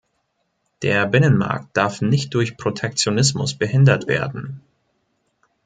Der Binnenmarkt darf nicht durch Protektionismus behindert werden.